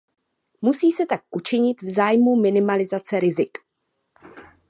Musí se tak učinit v zájmu minimalizace rizik.